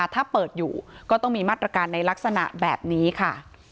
ถ้าเปิดอยู่ก็ต้องมีมาตรการในลักษณะแบบนี้ค่ะ